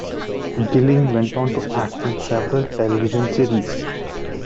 Gilling went on to act in several television series.